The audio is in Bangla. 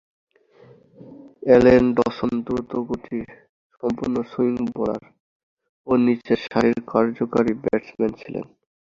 অ্যালেন ডসন দ্রুতগতিসম্পন্ন সুইং বোলার ও নিচেরসারির কার্যকরী ব্যাটসম্যান ছিলেন।